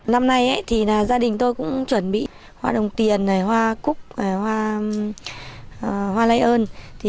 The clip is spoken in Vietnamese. năm nay gia đình tôi cũng chuẩn bị hoa đồng tiền hoa cúc hoa lai ơn